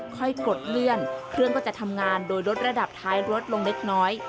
กดเลื่อนเครื่องก็จะทำงานโดยลดระดับท้ายลดลงเล็กน้อย